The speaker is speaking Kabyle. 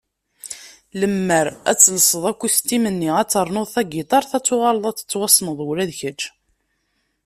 Limmer ad telseḍ akustim-nni, ad ternuḍ tagitart, ad tuɣaleḍ ad tettwassneḍ ula d kecc!